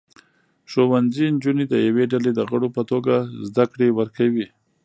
ښوونځي نجونې د یوې ډلې د غړو په توګه زده کړې ورکوي.